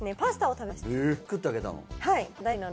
作ってあげたの？